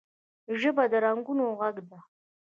ژبه د رنګونو غږ ده